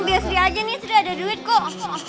biasa aja nih sudah ada duit kok